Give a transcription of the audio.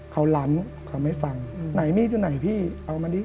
เขาหลังขอให้ฟังไหนมีดอยู่ไหนพี่เอามาดิ